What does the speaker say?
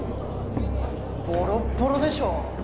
ボロッボロでしょ